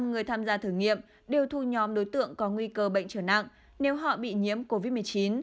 năm mươi người tham gia thử nghiệm đều thu nhóm đối tượng có nguy cơ bệnh trở nặng nếu họ bị nhiễm covid một mươi chín